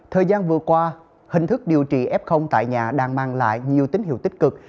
thời gian vừa qua hình thức điều trị f tại nhà đang mang lại nhiều tín hiệu tích cực